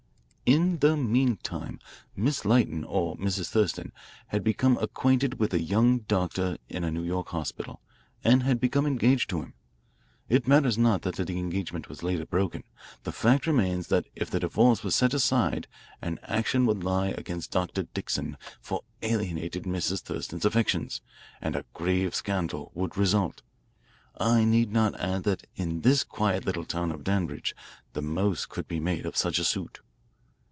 "In the meantime, Miss Lytton, or Mrs. Thurston, had become acquainted with a young doctor in a New York hospital, and had become engaged to him. It matters not that the engagement was later broken. The fact remains that if the divorce were set aside an action would lie against Dr. Dixon for alienating Mrs. Thurston's affections, and a grave scandal would result. I need not add that in this quiet little town of Danbridge the most could be made of such a suit."